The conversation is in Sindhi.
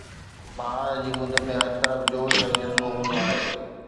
بهار جي مند ۾ هر طرف جوش ۽ جذبو هوندو آهي